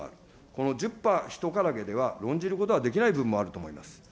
この十把一絡げでは論じることはできない部分もあると思います。